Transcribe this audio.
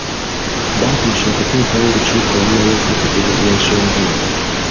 Baateesa okuteekawo olukiiko olulala okwetegereza ensonga eno.